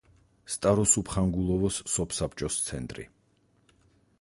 სტაროსუბხანგულოვოს სოფსაბჭოს ცენტრი.